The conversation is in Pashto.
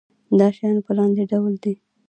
دا شیان په لاندې ډول دي.